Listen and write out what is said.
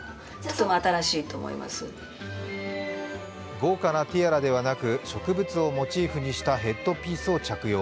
豪華なティアラではなく植物をモチーフにしたヘッドピースを着用。